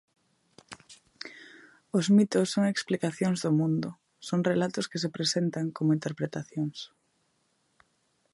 Os mitos son explicacións do mundo, son relatos que se presentan como interpretacións.